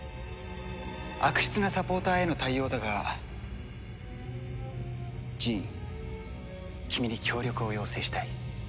悪質なサポーターへの対応だがジーン君に協力を要請したい。